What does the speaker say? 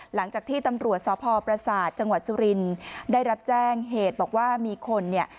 หลังจากที่ตำรวจสพประสาทจังหวัดสุรินได้รับแจ้งเหตุบอกว่ามีคนเนี่ย